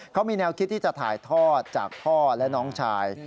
เขามีแนวคิดที่จะถ่ายทอดจากพ่อและน้องชาย